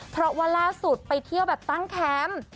เพราะว่าล่าสุดไปเที่ยวแบบตั้งแคมป์